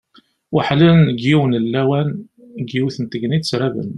Weḥlen deg yiwen n lawan, deg yiwet n tegnit raben.